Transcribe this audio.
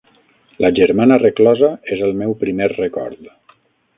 La germana reclosa és el meu primer record.